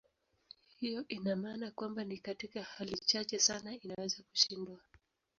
Hiyo ina maana kwamba ni katika hali chache sana inaweza kushindwa.